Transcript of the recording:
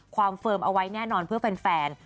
ความเฟิร์มเอาไว้แน่นอนเพื่อแฟน